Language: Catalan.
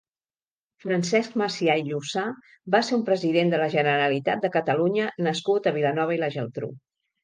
Francesc Macià i Llussà va ser un president de la Generalitat de Catalunya nascut a Vilanova i la Geltrú.